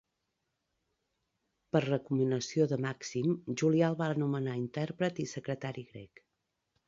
Per recomanació de Màxim, Julià el va nomenar intèrpret i secretari grec.